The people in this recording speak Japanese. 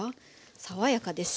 爽やかですよ。